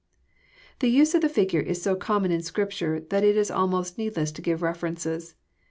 The use of the figure is so common in Scripture, that it Is almost needless to give references.